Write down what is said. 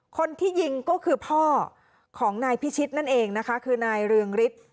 คนที่ยิงก็คือพ่อของนายพิชิตนั่นเองนะคะคือนายเรืองฤทธิ์